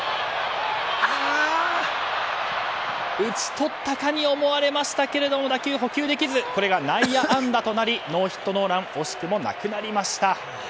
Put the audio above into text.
打ち取ったかに思われましたが打球を捕球できずこれが内野安打となりノーヒットノーラン惜しくもなくなりました。